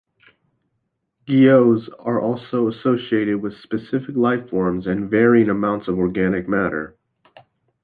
Guyots are also associated with specific lifeforms and varying amounts of organic matter.